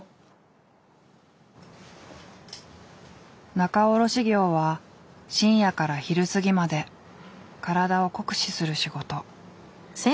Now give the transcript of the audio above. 仲卸業は深夜から昼過ぎまで体を酷使する仕事。